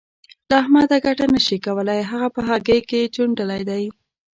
له احمده ګټه نه شې کولای؛ هغه په هګۍ کې چوڼېدلی دی.